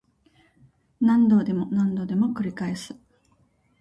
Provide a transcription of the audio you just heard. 何度でも何度でも繰り返す